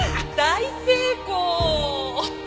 大成功！